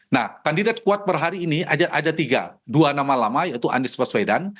nah kandidat kuat per hari ini ada tiga dua nama lama yaitu anies baswedan